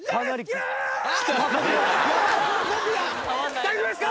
大丈夫ですか？